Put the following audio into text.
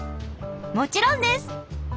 もちろんです！